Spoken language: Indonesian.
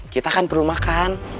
kita kan perlu makan